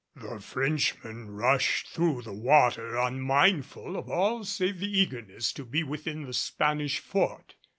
The Frenchmen rushed through the water unmindful of all save the eagerness to be within the Spanish fort.